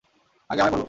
আগে আমায় বলো।